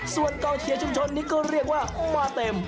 ส่วนกองเชียร์ชุมชนนี้ก็เรียกว่ามาเต็ม